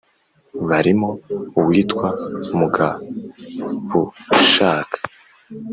Barimo uwitwa Mugabushaka